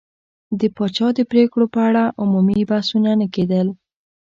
د پاچا د پرېکړو په اړه عمومي بحثونه نه کېدل.